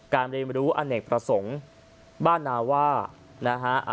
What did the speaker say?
เรียนรู้อเนกประสงค์บ้านนาว่านะฮะ